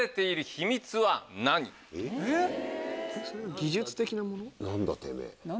技術的なもの？